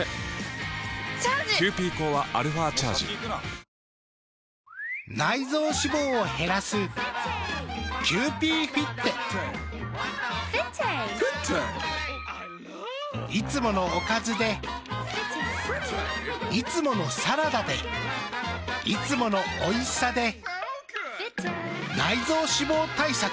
一応現物これになるんですけいつものおかずでいつものサラダでいつものおいしさで内臓脂肪対策。